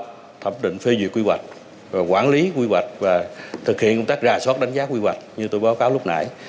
là thẩm định phê duyệt quy hoạch quản lý quy hoạch và thực hiện công tác ra soát đánh giá quy hoạch như tôi báo cáo lúc nãy